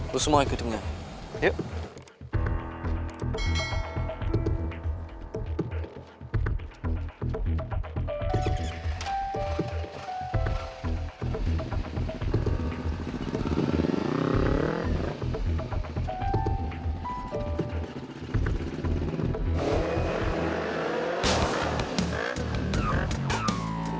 lo semua ikutin gue